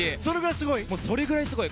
それぐらいすごい。